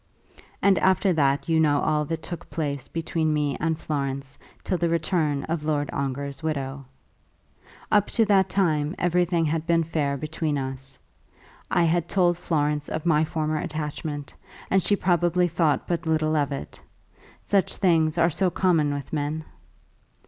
And after that you know all that took place between me and Florence till the return of Lord Ongar's widow. Up to that time everything had been fair between us. I had told Florence of my former attachment, and she probably thought but little of it. Such things are so common with men!